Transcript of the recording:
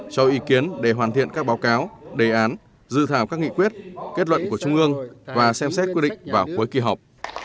cho ý kiến để hoàn thiện các báo cáo đề án dự thảo các nghị quyết kết luận của trung ương và xem xét quyết định vào cuối kỳ họp